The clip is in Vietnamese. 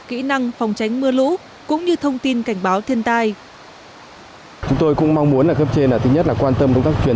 kỹ năng phòng tránh mưa lũ cũng như thông tin cảnh báo thiên tai